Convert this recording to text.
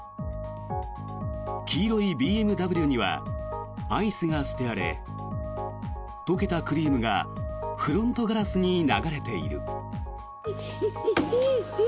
黄色いＢＭＷにはアイスが捨てられ溶けたクリームがフロントガラスに流れている。